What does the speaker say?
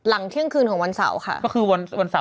หลังเที่ยงคืนของวันเสาร์ค่ะ